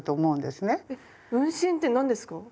えっ運針って何ですか？